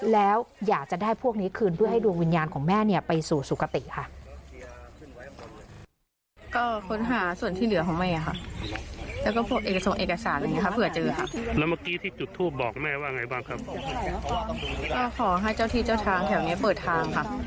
แล้วอยากจะได้พวกนี้คืนเพื่อให้ดวงวิญญาณของแม่ไปสู่สุขติค่ะ